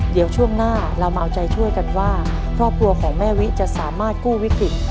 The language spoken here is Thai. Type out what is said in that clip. เดี๋ยวช่วงหน้าเรามาเอาใจช่วยกันว่าครอบครัวของแม่วิจะสามารถกู้วิกฤต